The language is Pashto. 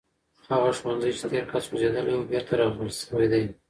هغه ښوونځی چې تیر کال سوځېدلی و بېرته رغول شوی دی.